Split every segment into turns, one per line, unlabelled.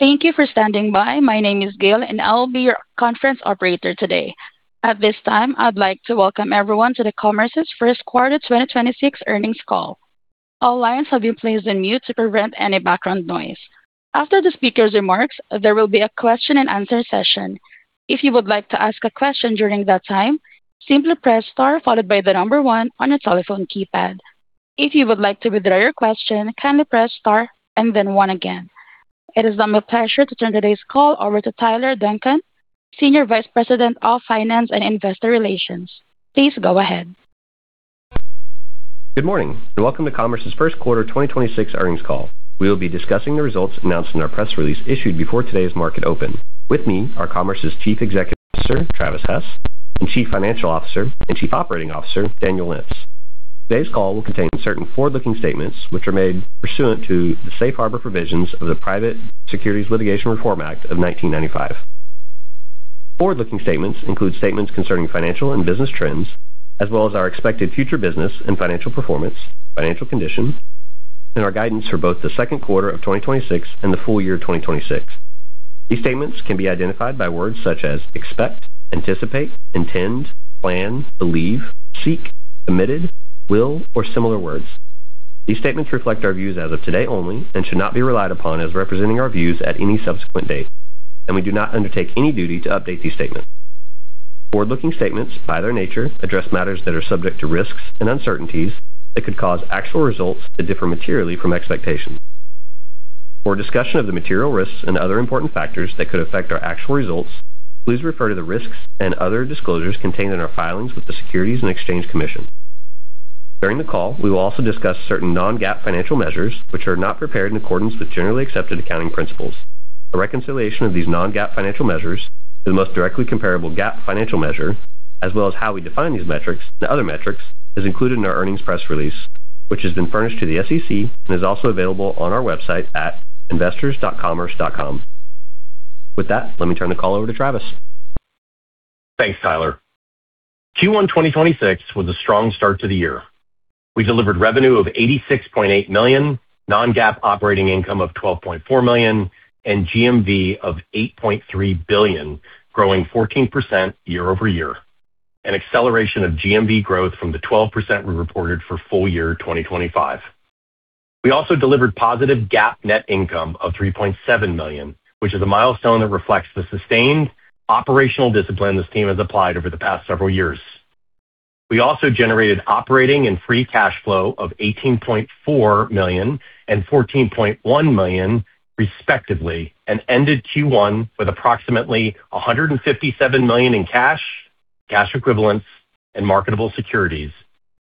Thank you for standing by. My name is Gail, and I will be your conference operator today. At this time, I'd like to welcome everyone to Commerce.com's first quarter 2026 earnings call. All lines have been placed on mute to prevent any background noise. After the speaker's remarks, there will be a question-and-answer session. If you would like to ask a question during that time, simply press Star one on your telephone keypad. If you would like to withdraw your question, kindly press Star one again. It is now my pleasure to turn today's call over to Tyler Duncan, Senior Vice President of Finance and Investor Relations. Please go ahead.
Good morning, and welcome to Commerce.com's first quarter 2026 earnings call. We will be discussing the results announced in our press release issued before today's market open. With me are Commerce.com's Chief Executive Officer, Travis Hess, and Chief Financial Officer and Chief Operating Officer, Daniel Lentz. Today's call will contain certain forward-looking statements, which are made pursuant to the safe harbor provisions of the Private Securities Litigation Reform Act of 1995. Forward-looking statements include statements concerning financial and business trends as well as our expected future business and financial performance, financial condition, and our guidance for both the second quarter of 2026 and the full year of 2026. These statements can be identified by words such as expect, anticipate, intend, plan, believe, seek, committed, will, or similar words. These statements reflect our views as of today only and should not be relied upon as representing our views at any subsequent date, and we do not undertake any duty to update these statements. Forward-looking statements, by their nature, address matters that are subject to risks and uncertainties that could cause actual results to differ materially from expectations. For a discussion of the material risks and other important factors that could affect our actual results, please refer to the risks and other disclosures contained in our filings with the Securities and Exchange Commission. During the call, we will also discuss certain non-GAAP financial measures, which are not prepared in accordance with generally accepted accounting principles. A reconciliation of these non-GAAP financial measures to the most directly comparable GAAP financial measure, as well as how we define these metrics and other metrics, is included in our earnings press release, which has been furnished to the SEC and is also available on our website at investors.commerce.com. With that, let me turn the call over to Travis.
Thanks, Tyler. Q1 2026 was a strong start to the year. We delivered revenue of $86.8 million, non-GAAP operating income of $12.4 million, and GMV of $8.3 billion, growing 14% year-over-year, an acceleration of GMV growth from the 12% we reported for full year 2025. We also delivered positive GAAP net income of $3.7 million, which is a milestone that reflects the sustained operational discipline this team has applied over the past several years. We also generated operating and free cash flow of $18.4 million and $14.1 million, respectively, and ended Q1 with approximately $157 million in cash equivalents and marketable securities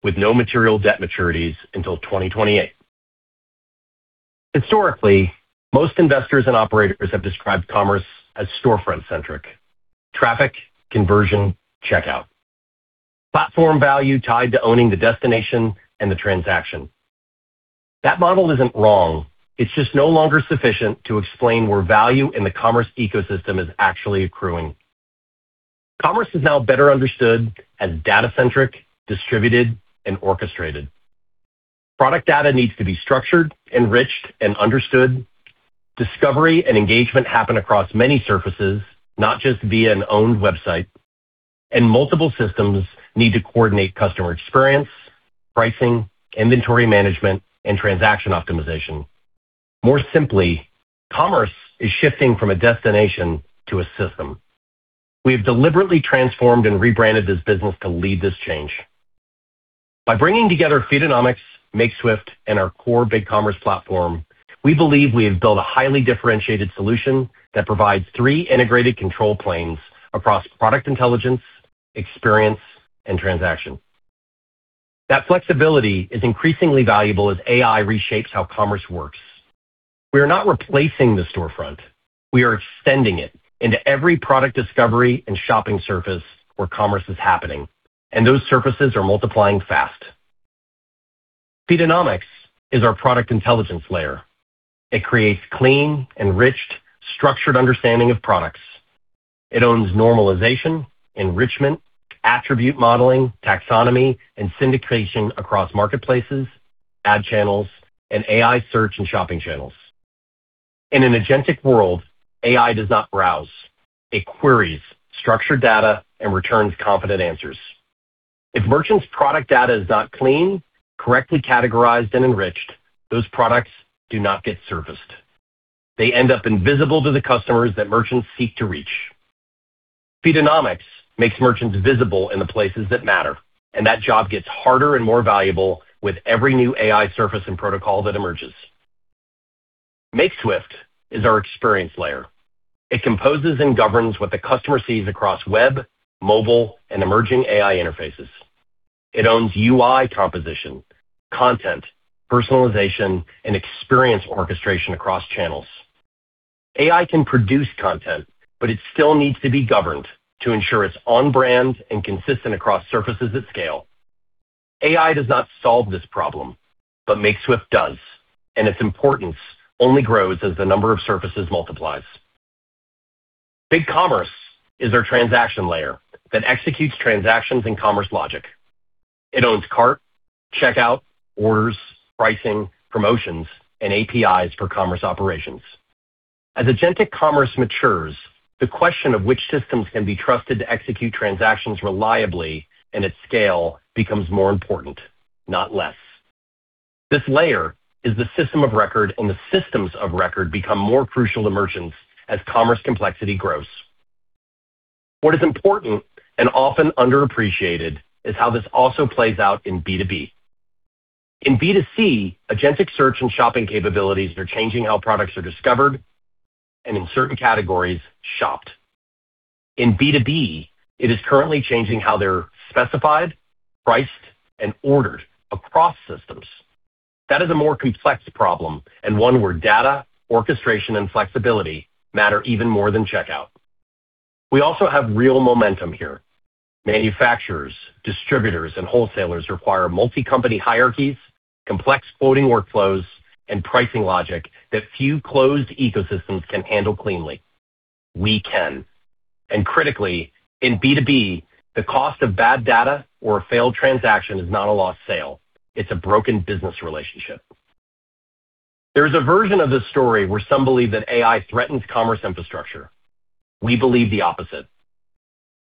with no material debt maturities until 2028. Historically, most investors and operators have described commerce as storefront-centric. Traffic, conversion, checkout. Platform value is tied to owning the destination and the transaction. That model isn't wrong. It is just no longer sufficient to explain where value in the commerce ecosystem is actually accruing. Commerce is now better understood as data-centric, distributed, and orchestrated. Product data needs to be structured, enriched, and understood. Discovery and engagement happen across many surfaces, not just via an owned website. Multiple systems need to coordinate customer experience, pricing, inventory management, and transaction optimization. More simply, commerce is shifting from a destination to a system. We have deliberately transformed and rebranded this business to lead this change. By bringing together Feedonomics, Makeswift, and our core BigCommerce platform, we believe we have built a highly differentiated solution that provides three integrated control planes across product intelligence, experience, and transaction. That flexibility is increasingly valuable as AI reshapes how commerce works. We are not replacing the storefront. We are extending it into every product discovery and shopping surface where commerce is happening, and those surfaces are multiplying fast. Feedonomics is our product intelligence layer. It creates a clean, enriched, structured understanding of products. It owns normalization, enrichment, attribute modeling, taxonomy, and syndication across marketplaces, ad channels, and AI search and shopping channels. In an agentic world, AI does not browse. It queries structured data and returns confident answers. If merchants' product data is not clean, correctly categorized, and enriched, those products do not get serviced. They end up invisible to the customers that merchants seek to reach. Feedonomics makes merchants visible in the places that matter, and that job gets harder and more valuable with every new AI Surface and protocol that emerges. Makeswift is our experience layer. It composes and governs what the customer sees across web, mobile, and emerging AI interfaces. It owns UI composition, content, personalization, and experience orchestration across channels. AI can produce content, but it still needs to be governed to ensure it's on brand and consistent across surfaces at scale. AI does not solve this problem, but Makeswift does, and its importance only grows as the number of surfaces multiplies. BigCommerce is our transaction layer that executes transactions and commerce logic. It owns cart, checkout, orders, pricing, promotions, and APIs for commerce operations. As agentic commerce matures, the question of which systems can be trusted to execute transactions reliably and at scale becomes more important, not less. This layer is the system of record. The systems of record become more crucial to merchants as commerce complexity grows. What is important and often underappreciated is how this also plays out in B2B. In B2C, agentic search and shopping capabilities are changing how products are discovered and, in certain categories, shopped. In B2B, it is currently changing how they're specified, priced, and ordered across systems. That is a more complex problem and one where data, orchestration, and flexibility matter even more than checkout. We also have real momentum here. Manufacturers, distributors, and wholesalers require multi-company hierarchies, complex quoting workflows, and pricing logic that few closed ecosystems can handle cleanly. We can. Critically, in B2B, the cost of bad data or a failed transaction is not a lost sale; it's a broken business relationship. There is a version of this story where some believe that AI threatens commerce infrastructure. We believe the opposite.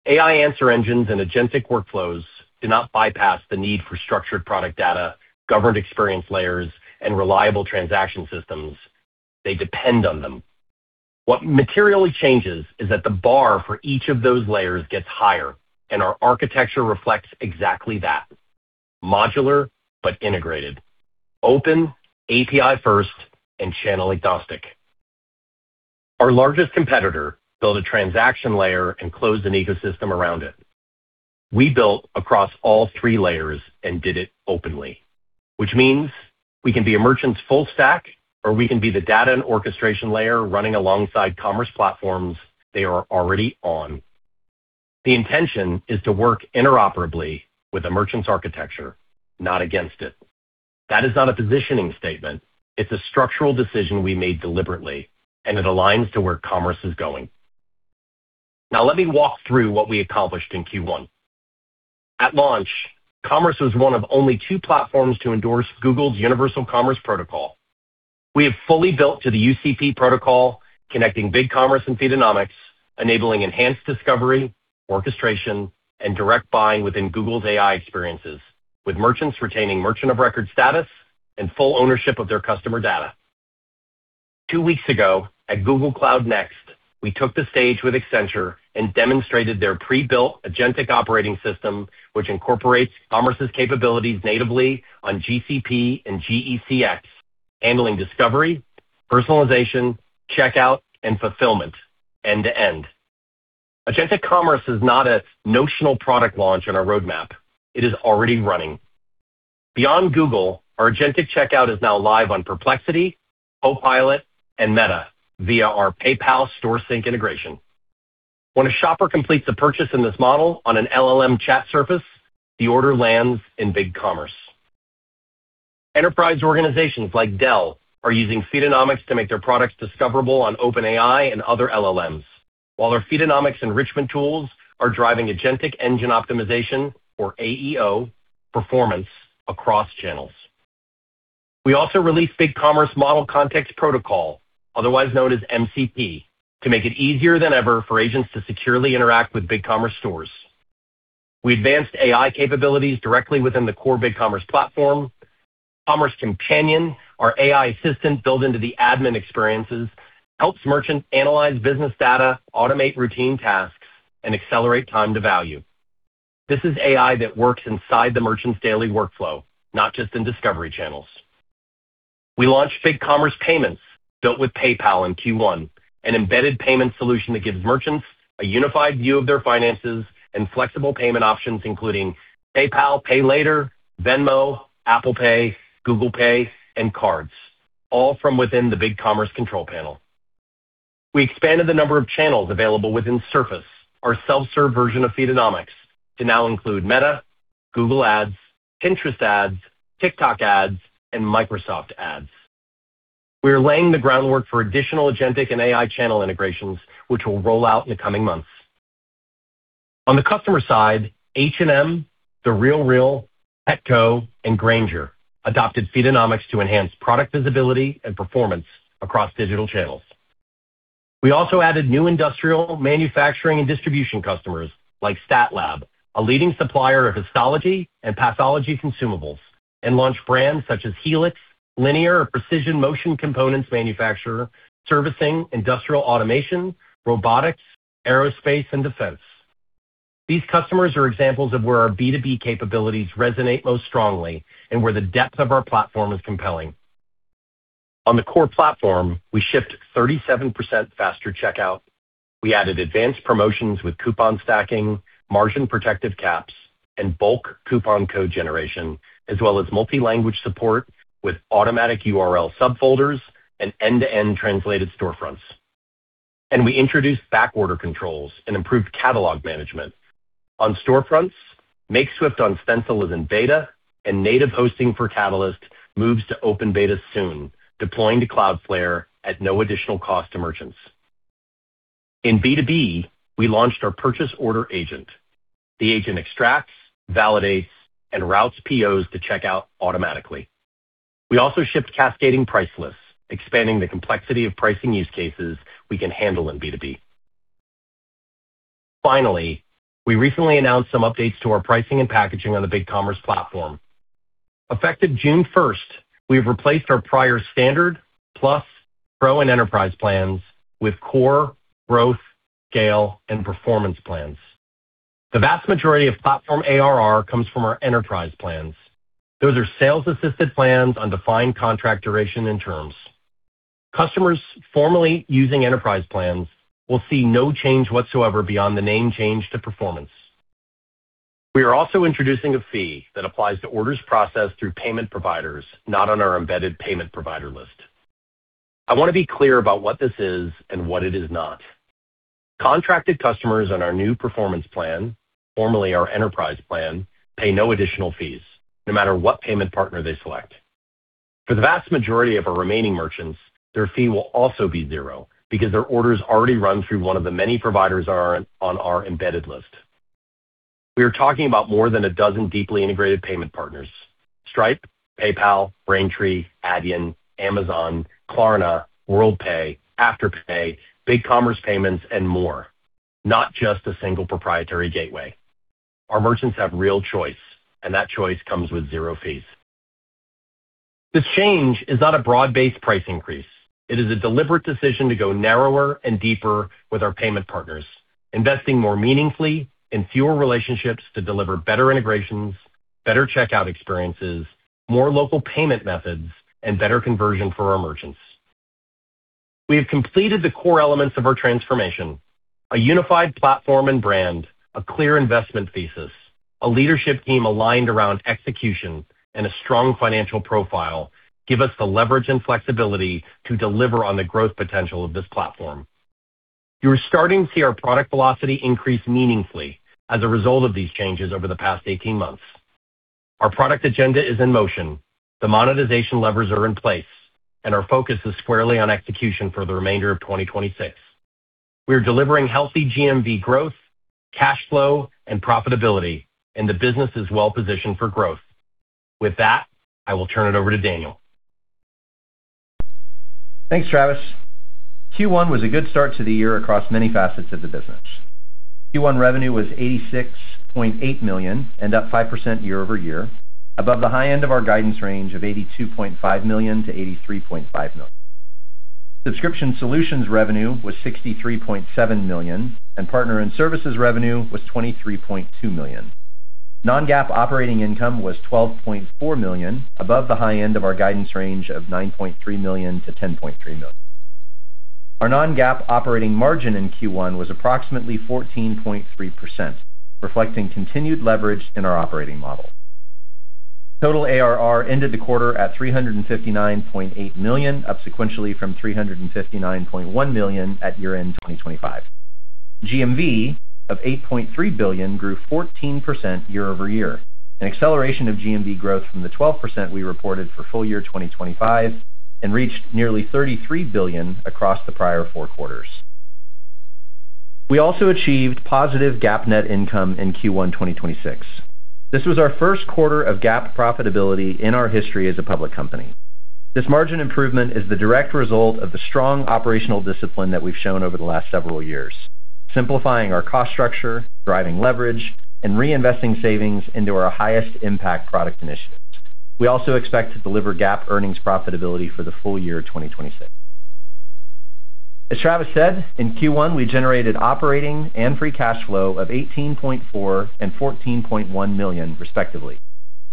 AI answer engines and agentic workflows do not bypass the need for structured product data, governed experience layers, and reliable transaction systems. They depend on them. What materially changes is that the bar for each of those layers gets higher, and our architecture reflects exactly that. Modular but integrated, open, API first, and channel-agnostic. Our largest competitor built a transaction layer and closed an ecosystem around it. We built across all three layers and did it openly, which means we can be a merchant's full stack, or we can be the data and orchestration layer running alongside the commerce platforms they are already on. The intention is to work interoperably with a merchant's architecture, not against it. That is not a positioning statement. It's a structural decision we made deliberately, and it aligns with where commerce is going. Let me walk through what we accomplished in Q1. At launch, Commerce was one of only two platforms to endorse Google's Universal Commerce Protocol. We have fully built to the UCP protocol, connecting BigCommerce and Feedonomics, enabling enhanced discovery, orchestration, and direct buying within Google's AI experiences, with merchants retaining merchant of record status and full ownership of their customer data. Two weeks ago, at Google Cloud Next, we took the stage with Accenture and demonstrated their pre-built agentic operating system, which incorporates Commerce's capabilities natively on GCP and GCEX, handling discovery, personalization, checkout, and fulfillment end-to-end. Agentic Commerce is not a notional product launch on our roadmap. It is already running. Beyond Google, our agentic checkout is now live on Perplexity, Copilot, and Meta via our PayPal Store Sync integration. When a shopper completes a purchase in this model on an LLM chat surface, the order lands in BigCommerce. Enterprise organizations like Dell are using Feedonomics to make their products discoverable on OpenAI and other LLMs, while their Feedonomics enrichment tools are driving agentic engine optimization, or AEO, performance across channels. We also released BigCommerce Model Context Protocol, otherwise known as MCP, to make it easier than ever for agents to securely interact with BigCommerce stores. We advanced AI capabilities directly within the core BigCommerce platform. BigCommerce Companion, our AI assistant built into the admin experiences, helps merchants analyze business data, automate routine tasks, and accelerate time to value. This is AI that works inside the merchant's daily workflow, not just in discovery channels. We launched BigCommerce Payments built with PayPal in Q1, an embedded payment solution that gives merchants a unified view of their finances and flexible payment options, including PayPal, Pay Later, Venmo, Apple Pay, Google Pay, and cards, all from within the BigCommerce control panel. We expanded the number of channels available within Surface, our self-serve version of Feedonomics, to now include Meta, Google Ads, Pinterest Ads, TikTok Ads, and Microsoft Ads. We are laying the groundwork for additional agentic and AI channel integrations, which will roll out in the coming months. On the customer side, H&M, The RealReal, Petco, and Grainger adopted Feedonomics to enhance product visibility and performance across digital channels. We also added new industrial manufacturing and distribution customers like StatLab, a leading supplier of histology and pathology consumables, and launched brands such as Helix Linear, a precision motion components manufacturer servicing industrial automation, robotics, aerospace, and defense. These customers are examples of where our B2B capabilities resonate most strongly and where the depth of our platform is compelling. On the core platform, we shipped 37% faster checkout. We added advanced promotions with coupon stacking, margin protective caps, and bulk coupon code generation, as well as multi-language support with automatic URL subfolders and end-to-end translated storefronts. We introduced backorder controls and improved catalog management. On storefronts, Makeswift on Stencil is in beta, and native hosting for Catalyst moves to open beta soon, deploying to Cloudflare at no additional cost to merchants. In B2B, we launched our purchase order agent. The agent extracts, validates, and routes POs to checkout automatically. We also shipped cascading price lists, expanding the complexity of pricing use cases we can handle in B2B. Finally, we recently announced some updates to our pricing and packaging on the BigCommerce platform. Effective June 1, we have replaced our prior Standard, Plus, Pro, and Enterprise plans with Core, Growth, Scale, and Performance plans. The vast majority of platform ARR comes from our Enterprise plans. Those are sales-assisted plans on a defined contract duration and terms. Customers formerly using enterprise plans will see no change whatsoever beyond the name change to Performance. We are also introducing a fee that applies to orders processed through payment providers not on our embedded payment provider list. I want to be clear about what this is and what it is not. Contracted customers on our new Performance plan, formerly our enterprise plan, pay no additional fees, no matter what payment partner they select. For the vast majority of our remaining merchants, their fee will also be zero because their orders already run through one of the many providers on our embedded list. We are talking about more than 12 deeply integrated payment partners, Stripe, PayPal, Braintree, Adyen, Amazon, Klarna, Worldpay, Afterpay, BigCommerce Payments, and more, not just a single proprietary gateway. Our merchants have real choice, and that choice comes with zero fees. This change is not a broad-based price increase. It is a deliberate decision to go narrower and deeper with our payment partners, investing more meaningfully in fewer relationships to deliver better integrations, better checkout experiences, more local payment methods, and better conversion for our merchants. We have completed the core elements of our transformation: a unified platform and brand, a clear investment thesis, a leadership team aligned around execution, and a strong financial profile give us the leverage and flexibility to deliver on the growth potential of this platform. You are starting to see our product velocity increase meaningfully as a result of these changes over the past 18 months. Our product agenda is in motion, the monetization levers are in place, and our focus is squarely on execution for the remainder of 2026. We are delivering healthy GMV growth, cash flow, and profitability, and the business is well-positioned for growth. With that, I will turn it over to Daniel.
Thanks, Travis. Q1 was a good start to the year across many facets of the business. Q1 revenue was $86.8 million and up 5% year-over-year, above the high end of our guidance range of $82.5 million-$83.5 million. Subscription solutions revenue was $63.7 million, and partner and services revenue was $23.2 million. Non-GAAP operating income was $12.4 million, above the high end of our guidance range of $9.3 million-$10.3 million. Our non-GAAP operating margin in Q1 was approximately 14.3%, reflecting continued leverage in our operating model. Total ARR ended the quarter at $359.8 million, up sequentially from $359.1 million at year-end 2025. GMV of $8.3 billion grew 14% year-over-year, an acceleration of GMV growth from the 12% we reported for full year 2025 and reached nearly $33 billion across the prior four quarters. We also achieved positive GAAP net income in Q1 2026. This was our first quarter of GAAP profitability in our history as a public company. This margin improvement is the direct result of the strong operational discipline that we've shown over the last several years, simplifying our cost structure, driving leverage, and reinvesting savings into our highest impact product initiatives. We also expect to deliver GAAP earnings profitability for the full year 2026. As Travis said, in Q1, we generated operating and free cash flow of $18.4 million and $14.1 million, respectively.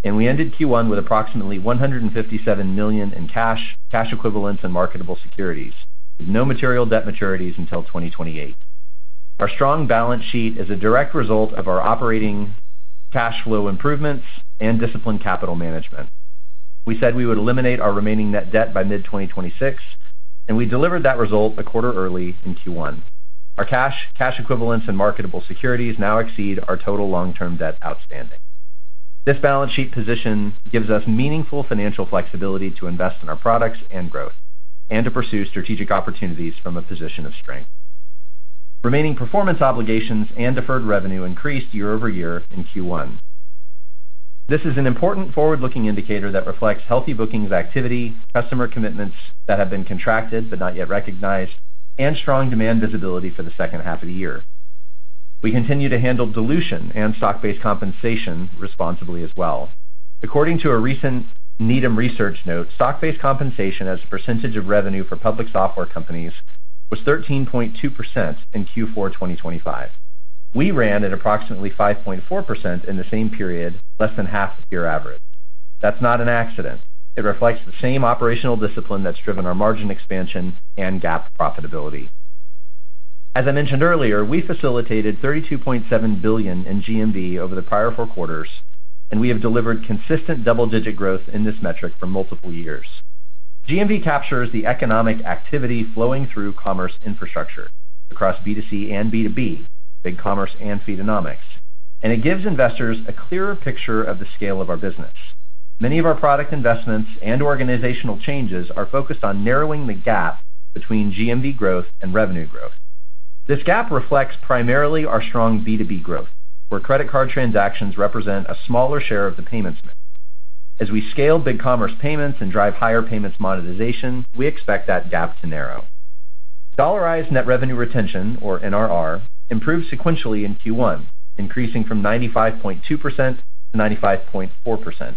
We ended Q1 with approximately $157 million in cash equivalents and marketable securities, with no material debt maturities until 2028. Our strong balance sheet is a direct result of our operating cash flow improvements and disciplined capital management. We said we would eliminate our remaining net debt by mid-2026. We delivered that result a quarter early in Q1. Our cash equivalents and marketable securities now exceed our total long-term debt outstanding. This balance sheet position gives us meaningful financial flexibility to invest in our products and growth and to pursue strategic opportunities from a position of strength. Remaining performance obligations and deferred revenue increased year-over-year in Q1. This is an important forward-looking indicator that reflects healthy bookings activity, customer commitments that have been contracted but not yet recognized, and strong demand visibility for the second half of the year. We continue to handle dilution and stock-based compensation responsibly as well. According to a recent Needham & Company research note, stock-based compensation as a percentage of revenue for public software companies was 13.2% in Q4 2025. We ran at approximately 5.4% in the same period, less than half the peer average. That's not an accident. It reflects the same operational discipline that's driven our margin expansion and GAAP profitability. As I mentioned earlier, we facilitated $32.7 billion in GMV over the prior four quarters, and we have delivered consistent double-digit growth in this metric for multiple years. GMV captures the economic activity flowing through commerce infrastructure across B2C and B2B, BigCommerce and Feedonomics, and it gives investors a clearer picture of the scale of our business. Many of our product investments and organizational changes are focused on narrowing the gap between GMV growth and revenue growth. This gap reflects primarily our strong B2B growth, where credit card transactions represent a smaller share of the payment mix. As we scale BigCommerce Payments and drive higher payments monetization, we expect that gap to narrow. Dollarized net revenue retention, or NRR, improved sequentially in Q1, increasing from 95.2%-95.4%.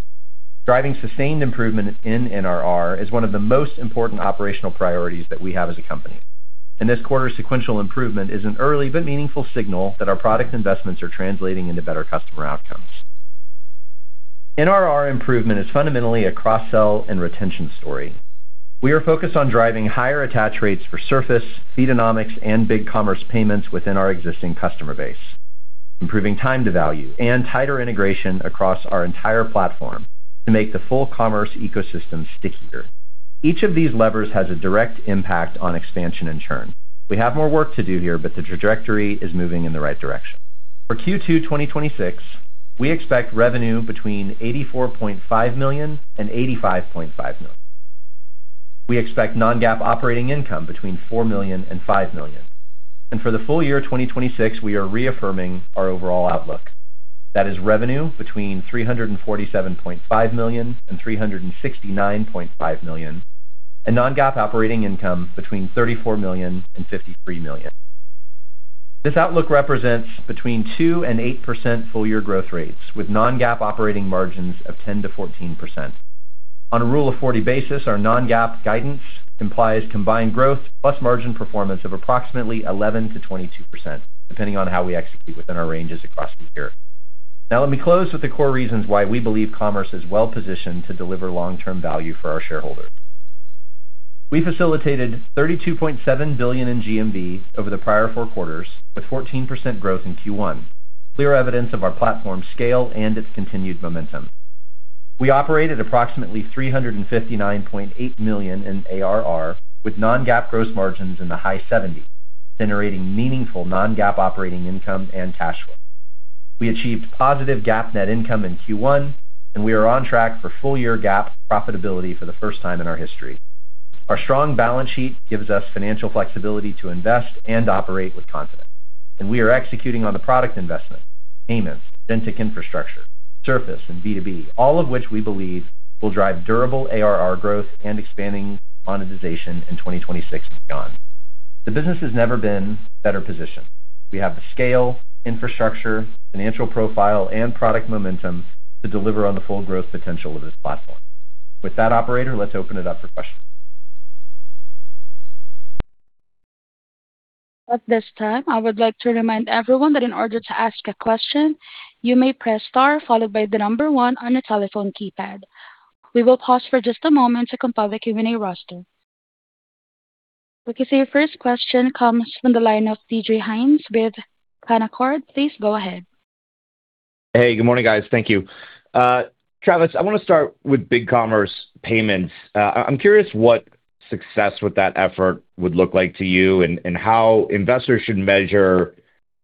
Driving sustained improvement in NRR is one of the most important operational priorities that we have as a company. This quarter's sequential improvement is an early but meaningful signal that our product investments are translating into better customer outcomes. NRR improvement is fundamentally a cross-sell and retention story. We are focused on driving higher attach rates for Surface, Feedonomics, and BigCommerce Payments within our existing customer base, improving time to value, and tighter integration across our entire platform to make the full commerce ecosystem stickier. Each of these levers has a direct impact on expansion and churn. We have more work to do here, but the trajectory is moving in the right direction. For Q2 2026, we expect revenue between $84.5 million and $85.5 million. We expect non-GAAP operating income between $4 million and $5 million. For the full year 2026, we are reaffirming our overall outlook. That is revenue between $347.5 million and $369.5 million, and non-GAAP operating income between $34 million and $53 million. This outlook represents between 2% and 8% full-year growth rates, with non-GAAP operating margins of 10%-14%. On a rule of 40 basis, our non-GAAP guidance implies combined growth plus margin performance of approximately 11%-22%, depending on how we execute within our ranges across the year. Let me close with the core reasons why we believe Commerce.com is well-positioned to deliver long-term value for our shareholders. We facilitated $32.7 billion in GMV over the prior four quarters, with 14% growth in Q1, clear evidence of our platform scale and its continued momentum. We operate at approximately $359.8 million in ARR, with non-GAAP gross margins in the high 70s, generating meaningful non-GAAP operating income and cash flow. We achieved positive GAAP net income in Q1. We are on track for full-year GAAP profitability for the first time in our history. Our strong balance sheet gives us financial flexibility to invest and operate with confidence. We are executing on the product investment, payments, agentic infrastructure, surface, and B2B, all of which we believe will drive durable ARR growth and expanding monetization in 2026 and beyond. The business has never been better positioned. We have the scale, infrastructure, financial profile, and product momentum to deliver on the full growth potential of this platform. With that, Operator, let's open it up for questions.
Okay, your first question comes from the line of DJ Hynes with Canaccord. Please go ahead.
Hey, good morning, guys. Thank you. Travis, I want to start with BigCommerce Payments. I'm curious what success with that effort would look like to you and how investors should measure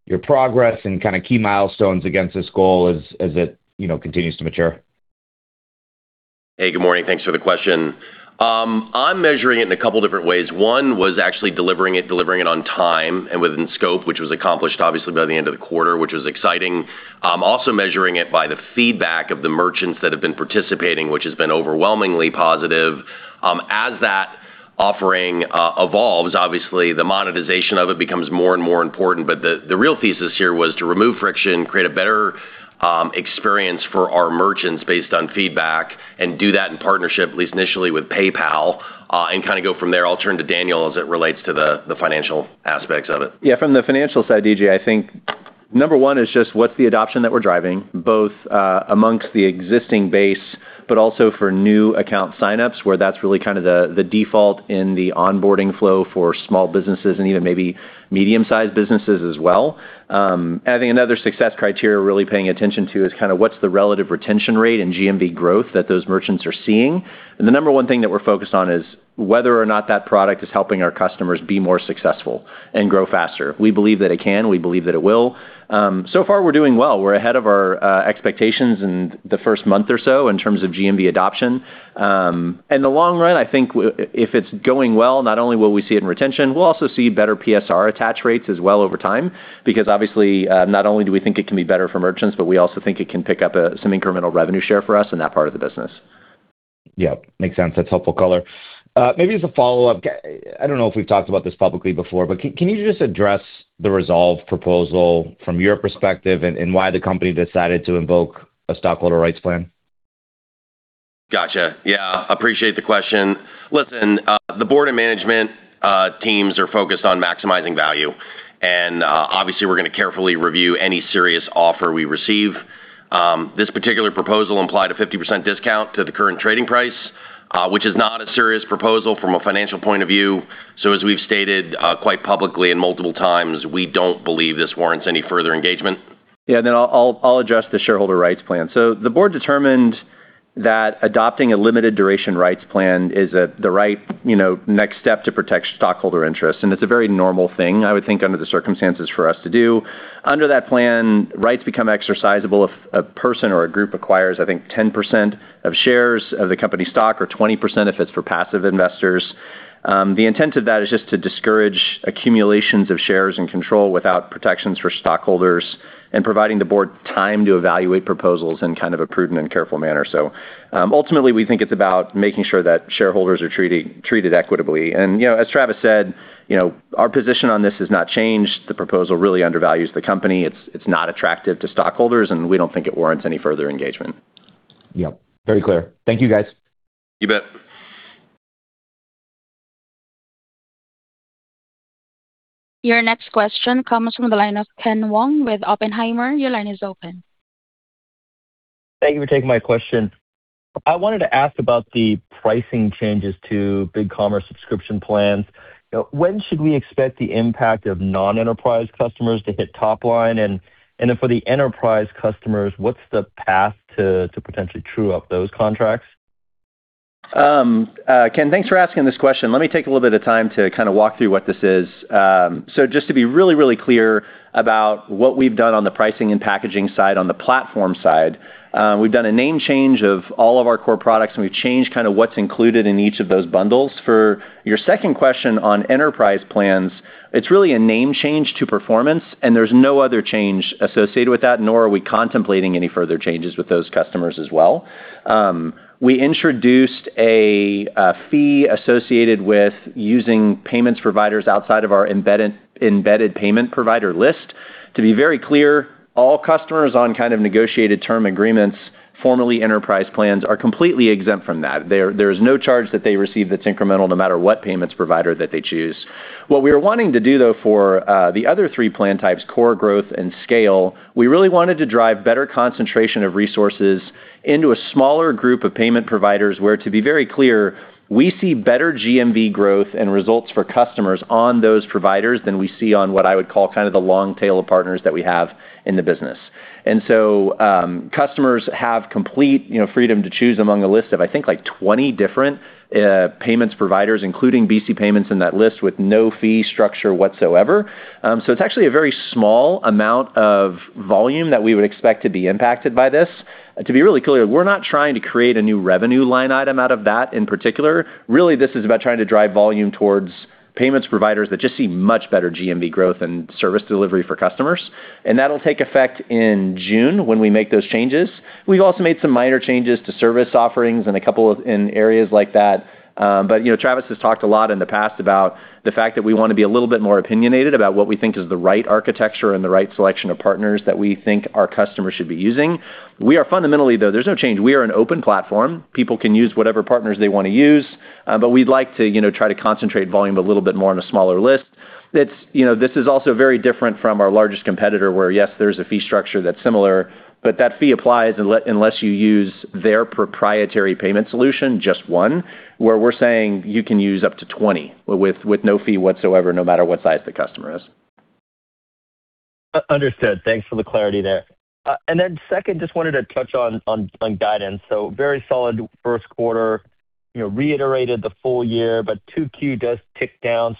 your progress and kind of key milestones against this goal, as it, you know, continues to mature.
Hey, good morning. Thanks for the question. I'm measuring it in a couple of different ways. One was actually delivering it, delivering it on time and within scope, which was accomplished obviously by the end of the quarter, which was exciting. Also, measuring it by the feedback of the merchants that have been participating, which has been overwhelmingly positive. As that offering evolves, obviously, the monetization of it becomes more and more important. The real thesis here was to remove friction, create a better experience for our merchants based on feedback, and do that in partnership, at least initially, with PayPal, and kind of go from there. I'll turn to Daniel as it relates to the financial aspects of it.
From the financial side, DJ, I think number one is just what's the adoption that we're driving, both amongst the existing base, but also for new account signups, where that's really kind of the default in the onboarding flow for small businesses and even maybe medium-sized businesses as well. I think another success criterion to really pay attention to is kind of what the relative retention rate and GMV growth that those merchants are seeing. The number one thing that we're focused on is whether or not that product is helping our customers be more successful and grow faster. We believe that it can. We believe that it will. So far, we're doing well. We're ahead of our expectations in the first month or so in terms of GMV adoption. In the long run, I think if it's going well, not only will we see it in retention, we will also see better PSR attach rates as well over time because obviously, not only do we think it can be better for merchants, but we also think it can pick up some incremental revenue share for us in that part of the business.
Yeah, makes sense. That's helpful color. Maybe as a follow-up, I don't know if we've talked about this publicly before, but can you just address the Resolve proposal from your perspective and why the company decided to invoke a stockholder rights plan?
Gotcha. Yeah, appreciate the question. Listen, the board and management teams are focused on maximizing value, obviously we're gonna carefully review any serious offer we receive. This particular proposal implied a 50% discount to the current trading price, which is not a serious proposal from a financial point of view. As we've stated, quite publicly and multiple times, we don't believe this warrants any further engagement.
Yeah, I'll address the shareholder rights plan. The board determined that adopting a limited duration rights plan is the right, you know, next step to protect stockholder interest, it's a very normal thing, I would think, under the circumstances for us to do. Under that plan, rights become exercisable if a person or a group acquires, I think, 10% of shares of the company stock or 20% if it's for passive investors. The intent of that is just to discourage accumulations of shares and control without protections for stockholders, and provide the board time to evaluate proposals in kind of a prudent and careful manner. Ultimately, we think it's about making sure that shareholders are treated equitably. You know, as Travis said, you know, our position on this has not changed. The proposal really undervalues the company. It's not attractive to stockholders, and we don't think it warrants any further engagement.
Yep, very clear. Thank you, guys.
You bet.
Your next question comes from the line of Ken Wong with Oppenheimer. Your line is open.
Thank you for taking my question. I wanted to ask about the pricing changes to BigCommerce subscription plans. You know, when should we expect the impact of non-enterprise customers to hit the top line? For the enterprise customers, what's the path to potentially true up those contracts?
Ken, thanks for asking this question. Let me take a little bit of time to kind of walk through what this is. Just to be really, really clear about what we've done on the pricing and packaging side, on the platform side, we've done a name change of all of our core products, and we've changed kind of what's included in each of those bundles. For your second question on enterprise plans, it's really a name change to Performance, and there's no other change associated with that, nor are we contemplating any further changes with those customers as well. We introduced a fee associated with using payment providers outside of our embedded payment provider list. To be very clear, all customers on kind of negotiated term agreements, formerly enterprise plans, are completely exempt from that. There's no charge that they receive that's incremental, no matter what payment provider that they choose. What we are wanting to do, though, for the other three plan types, Core, Growth, and Scale, we really wanted to drive better concentration of resources into a smaller group of payment providers where, to be very clear, we see better GMV growth and results for customers on those providers than we see on what I would call kind of the long tail of partners that we have in the business. Customers have complete, you know, freedom to choose among a list of, I think, like, 20 different payment providers, including BigCommerce Payments in that list, with no fee structure whatsoever. It's actually a very small amount of volume that we would expect to be impacted by this. To be really clear, we're not trying to create a new revenue line item out of that in particular. Really, this is about trying to drive volume towards payments providers that just see much better GMV growth and service delivery for customers, and that'll take effect in June when we make those changes. We've also made some minor changes to service offerings in areas like that. You know, Travis has talked a lot in the past about the fact that we wanna be a little bit more opinionated about what we think is the right architecture and the right selection of partners that we think our customers should be using. We are fundamentally, though, there's no change. We are an open platform. People can use whatever partners they wanna use, but we'd like to, you know, try to concentrate volume a little bit more on a smaller list. It's, you know, this is also very different from our largest competitor, where, yes, there's a fee structure that's similar, but that fee applies unless you use their proprietary payment solution, just 1, where we're saying you can use up to 20 with no fee whatsoever, no matter what size the customer is.
Understood. Thanks for the clarity there. Second, just wanted to touch on guidance. Very solid first quarter, you know, reiterated the full year, but 2Q does tick down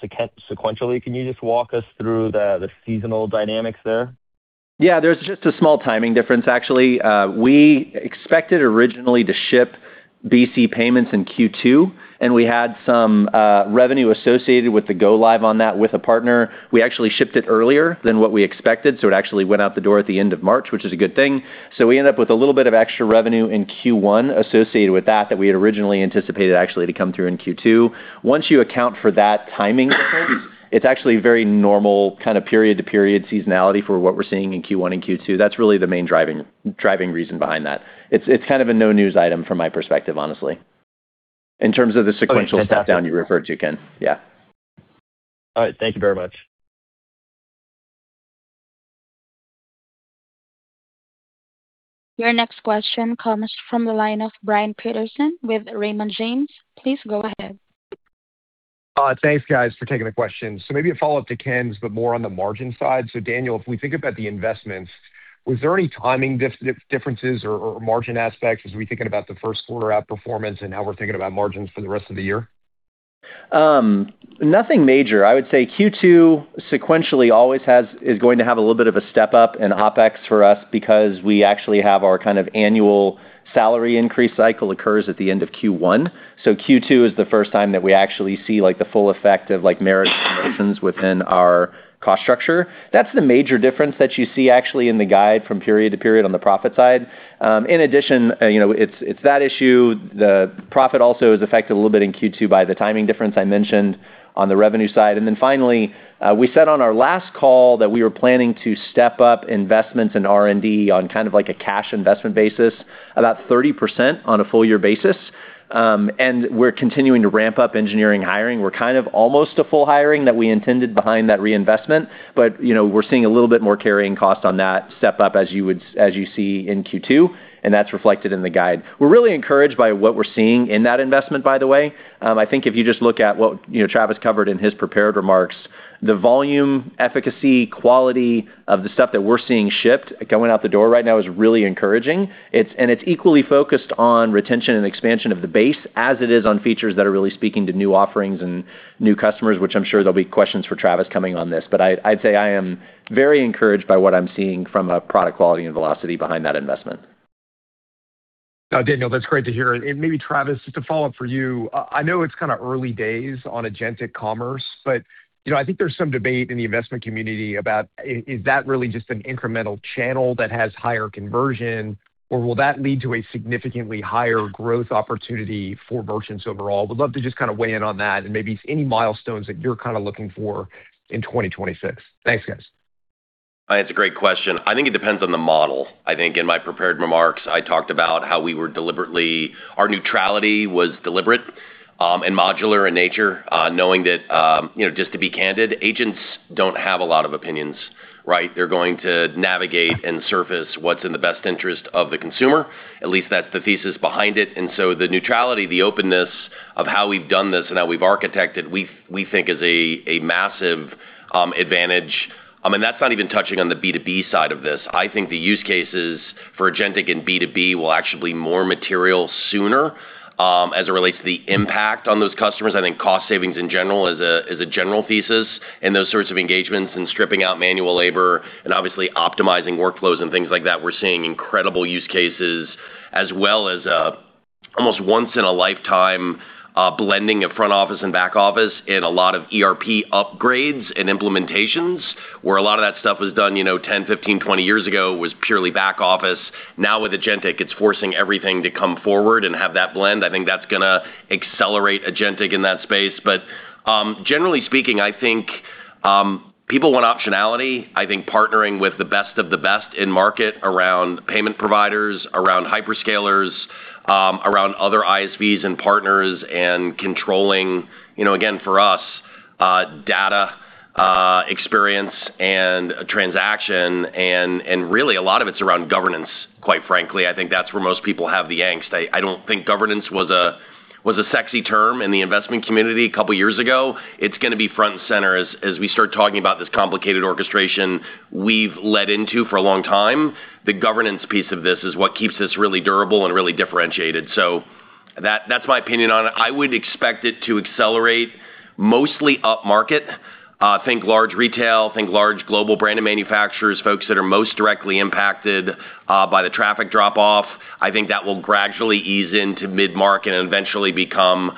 sequentially. Can you just walk us through the seasonal dynamics there?
Yeah, there's just a small timing difference, actually. We expected originally to ship BC Payments in Q2; we had some revenue associated with the go-live on that with a partner. We actually shipped it earlier than we expected; it actually went out the door at the end of March, which is a good thing. We end up with a little bit of extra revenue in Q1 associated with that which we had originally anticipated actually to come through in Q2. Once you account for that timing difference, it's actually a very normal kind of period-to-period seasonality for what we're seeing in Q1 and Q2. That's really the main driving reason behind that. It's kind of a no news item from my perspective, honestly, in terms of the sequential step down you referred to, Ken.
All right. Thank you very much.
Your next question comes from the line of Brian Peterson with Raymond James. Please go ahead.
Thanks, guys, for taking the question. Maybe a follow-up to Ken's, but more on the margin side. Daniel, if we think about the investments, were there any timing differences or margin aspects as we're thinking about the first quarter outperformance and how we're thinking about margins for the rest of the year?
Nothing major. I would say Q2 sequentially always is going to have a little bit of a step up in OpEx for us because we actually have our kind of annual salary increase cycle occur at the end of Q1, so Q2 is the first time that we actually see, like, the full effect of, like, merit increases within our cost structure. That's the major difference that you see, actually, in the guide from period to period on the profit side. In addition, you know that issue. The profit is also affected a little bit in Q2 by the timing difference I mentioned on the revenue side. Finally, we said on our last call that we were planning to step up investments in R&D on a kind of like a cash investment basis, about 30% on a full-year basis. We're continuing to ramp up engineering hiring. We're kind of almost to full hiring that we intended behind that reinvestment, but, you know, we're seeing a little bit more carrying cost on that step up, as you see in Q2, and that's reflected in the guide. We're really encouraged by what we're seeing in that investment, by the way. I think if you just look at what, you know, Travis covered in his prepared remarks The volume, efficacy, quality of the stuff that we're seeing shipped, going out the door right now, is really encouraging. It's equally focused on retention and expansion of the base as it is on features that are really speaking to new offerings and new customers, which I'm sure there'll be questions for Travis Hess coming on this. I'd say I am very encouraged by what I'm seeing from a product quality and velocity behind that investment.
Daniel, that's great to hear. Maybe Travis, just a follow-up for you. I know it's kind of early days on agentic commerce, but, you know, I think there's some debate in the investment community about whether that's really just an incremental channel that has higher conversion, or will that lead to a significantly higher growth opportunity for merchants overall? Would love to just kind of weigh in on that and maybe any milestones that you're kind of looking for in 2026. Thanks, guys.
It's a great question. I think it depends on the model. I think in my prepared remarks, I talked about how our neutrality was deliberate and modular in nature, knowing that, you know, just to be candid, agents don't have a lot of opinions, right? They're going to navigate and surface what's in the best interest of the consumer. At least that's the thesis behind it. The neutrality, the openness of how we've done this and how we've architected, we think, is a massive advantage. I mean, that's not even touching on the B2B side of this. I think the use cases for agentic and B2B will actually be more material sooner as it relates to the impact on those customers. I think cost savings in general is a general thesis in those sorts of engagements, and stripping out manual labor and obviously optimizing workflows and things like that. We're seeing incredible use cases as well as almost once-in-a-lifetime blending of front office and back office in a lot of ERP upgrades and implementations, where a lot of that stuff was done, you know, 10, 15, 20 years ago, was purely back office. Now, with agentic, it's forcing everything to come forward and have that blend. I think that's gonna accelerate agentic in that space. Generally speaking, I think people want optionality. I think partnering with the best of the best in the market around payment providers, around hyperscalers, around other ISVs and partners, and controlling, you know, again, for us, data, experience, and transaction, and, really, a lot of it's around governance, quite frankly. I think that's where most people have the angst. I don't think governance was a sexy term in the investment community a couple of years ago. It's going to be front and center as we start talking about this complicated orchestration we've led into for a long time. The governance piece of this is what keeps this really durable and really differentiated. That's my opinion on it. I would expect it to accelerate mostly upmarket. Think large retail, think large global brand and manufacturers, folks that are most directly impacted by the traffic drop off. I think that will gradually ease into the mid-market and eventually become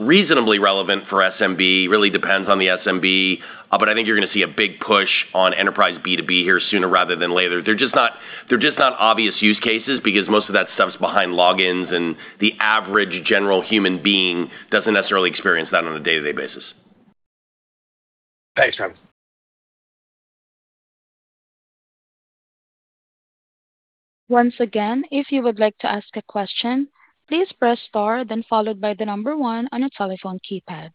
reasonably relevant for SMB. Really depends on the SMB, but I think you're gonna see a big push on enterprise B2B here sooner rather than later. They're just not obvious use cases because most of that stuff's behind logins, and the average general human being doesn't necessarily experience that on a day-to-day basis.
Thanks, man.
Once again, if you would like to ask a question, please press star, then followed by one on your telephone keypad.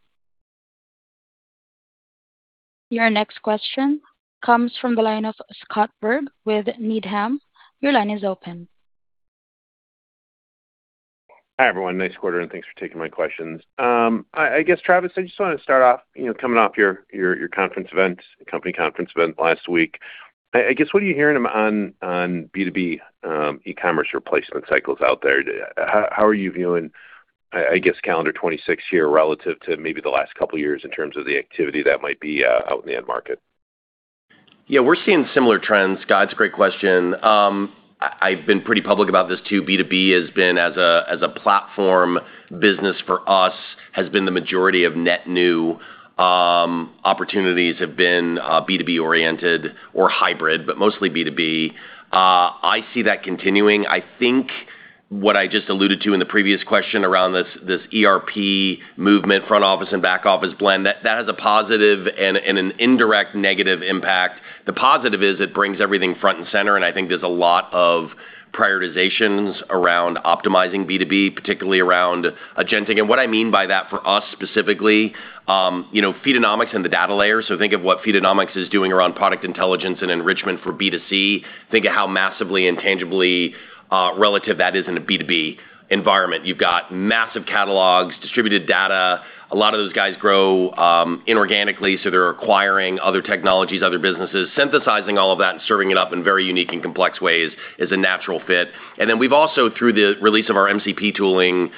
Your next question comes from the line of Scott Berg with Needham. Your line is open.
Hi, everyone. Nice quarter, and thanks for taking my questions. I guess, Travis, I just wanted to start off, you know, coming off your conference event, company conference event last week. I guess, what are you hearing on B2B e-commerce replacement cycles out there? How are you viewing, I guess, calendar 2026 here relative to maybe the last couple of years in terms of the activity that might be out in the end market?
Yeah, we're seeing similar trends. Scott, it's a great question. I've been pretty public about this, too. B2B has been a platform business for us; the majority of net new opportunities have been B2B oriented or hybrid, but mostly B2B. I see that continuing. I think what I just alluded to in the previous question, around this ERP movement, front office and back office blend, has a positive and an indirect negative impact. The positive is that it brings everything front and center, and I think there's a lot of prioritizations around optimizing B2B, particularly around agentic. What I mean by that is for us specifically, you know, Feedonomics and the data layer. Think of what Feedonomics is doing around product intelligence and enrichment for B2C. Think of how massively and tangibly relative that is in a B2B environment. You've got massive catalogs, distributed data. A lot of those guys grow organically, so they're acquiring other technologies, other businesses. Synthesizing all of that and serving it up in very unique and complex ways is a natural fit. We've also, through the release of our MCP tooling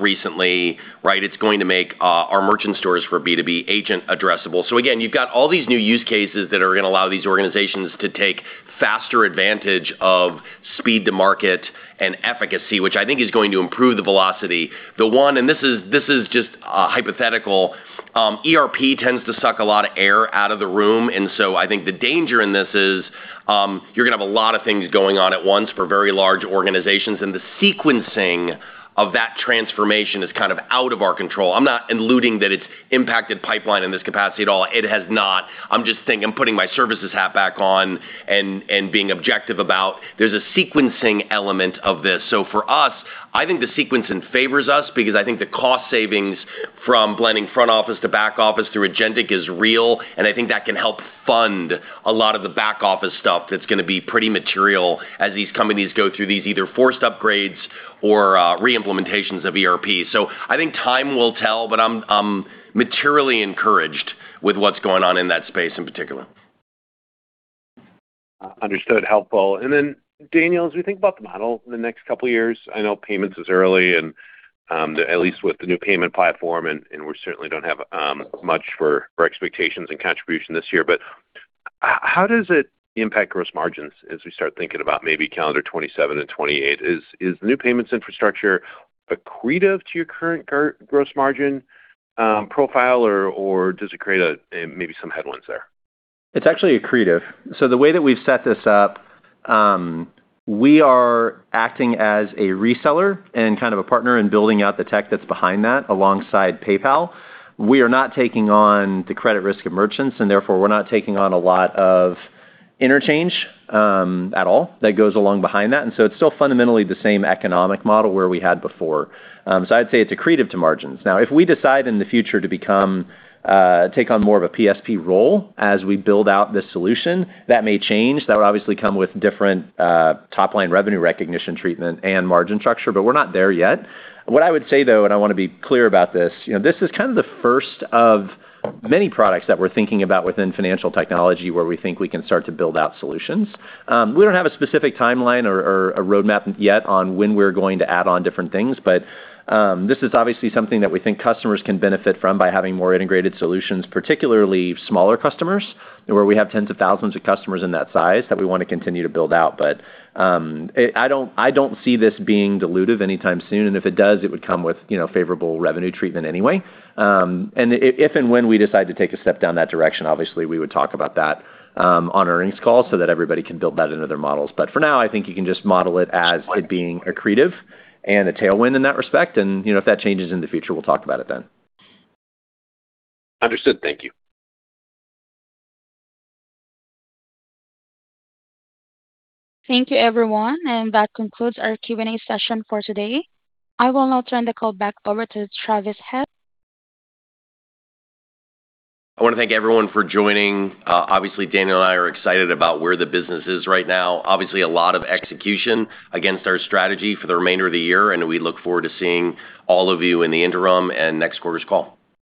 recently, it's going to make our merchant stores for B2B agents addressable. Again, you've got all these new use cases that are gonna allow these organizations to take faster advantage of speed to market and efficacy, which I think is going to improve the velocity. The one, and this is just hypothetical, ERP tends to suck a lot of air out of the room. I think the danger in this is, you're going to have a lot of things going on at once for very large organizations, and the sequencing of that transformation is kind of out of our control. I'm not alleging that it's impacted the pipeline in this capacity at all. It has not. I'm just putting my services hat back on and being objective about there's a sequencing element to this. For us, I think the sequencing favors us because I think the cost savings from blending front office to back office through agentic is real, and I think that can help fund a lot of the back office stuff that's going to be pretty material as these companies go through either forced upgrades or reimplementations of ERP. I think time will tell, but I'm materially encouraged with what's going on in that space in particular.
Understood. Helpful. Then, Daniel, as we think about the model in the next couple of years, I know payments are early and, at least with the new payment platform, we certainly don't have much for expectations and contribution this year. How does it impact gross margins as we start thinking about maybe calendar 2027 and 2028? Is the new payments infrastructure accretive to your current gross margin profile, or does it create a, maybe some headwinds there?
It's actually accretive. The way that we've set this up, we are acting as a reseller and kind of a partner in building out the tech that's behind that alongside PayPal. We are not taking on the credit risk of merchants, and therefore, we're not taking on a lot of interchange at all that goes along behind that. It's still fundamentally the same economic model where we had before. It's accretive to margins. Now, if we decide in the future to become, take on more of a PSP role as we build out this solution, that may change. That would obviously come with different, top-line revenue recognition treatment and margin structure, but we're not there yet. What I would say, though, and I want to be clear about this, you know, this is kind of the first of many products that we're thinking about within financial technology, where we think we can start to build out solutions. We don't have a specific timeline or a roadmap yet on when we're going to add on different things, but this is obviously something that we think customers can benefit from by having more integrated solutions, particularly smaller customers, where we have tens of thousands of customers in that size that we want to continue to build out. I don't, I don't see this being dilutive anytime soon, and if it does, it would come with, you know, favorable revenue treatment anyway. If and when we decide to take a step in that direction, obviously, we would talk about that on the earnings call so that everybody can build that into their models. For now, I think you can just model it as being accretive and a tailwind in that respect. You know, if that changes in the future, we'll talk about it then.
Understood. Thank you.
Thank you, everyone, and that concludes our Q&A session for today. I will now turn the call back over to Travis Hess.
I wanna thank everyone for joining. Obviously, Daniel and I are excited about where the business is right now. Obviously, a lot of execution against our strategy for the remainder of the year, we look forward to seeing all of you in the interim and next quarter's call.